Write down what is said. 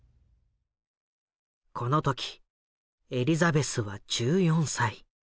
この時エリザベスは１４歳。